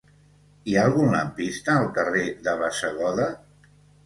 Hi ha algun lampista al carrer de Bassegoda?